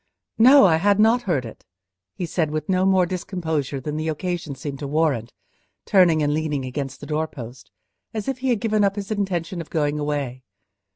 "No, I had not heard it," he said, with no more discomposure than the occasion seemed to warrant, turning and leaning against the doorpost, as if he had given up his intention of going away.